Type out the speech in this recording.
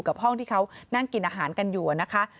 กับห้องที่เขานั่งกินอาหารกันอยู่นะคะ